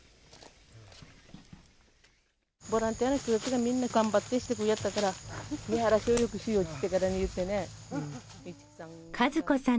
ボランティアの人たちがみんな頑張ってしてくいやったから見晴らしを良くしようちってからに言ってね。